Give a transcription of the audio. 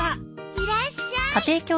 いらっしゃい。